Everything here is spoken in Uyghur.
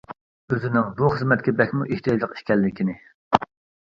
ئۇزىنىڭ بۇ خىزمەتكە بەكمۇ ئېھتىياجلىق ئىكەنلىكىنى.